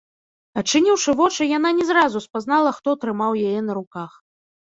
Адчыніўшы вочы, яна не зразу спазнала, хто трымаў яе на руках.